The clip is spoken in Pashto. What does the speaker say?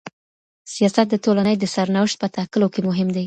سياست د ټولني د سرنوشت په ټاکلو کي مهم دی.